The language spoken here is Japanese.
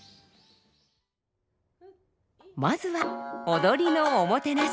まずは踊りのおもてなし。